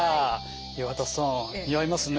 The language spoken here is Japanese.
岩田さん似合いますね。